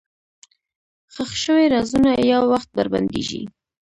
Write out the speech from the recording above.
ښخ شوي رازونه یو وخت بربنډېږي.